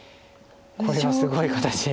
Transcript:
これはすごい形で。